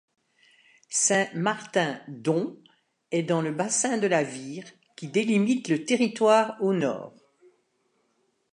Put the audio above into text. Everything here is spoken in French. Saint-Martin-Don est dans le bassin de la Vire qui délimite le territoire au nord.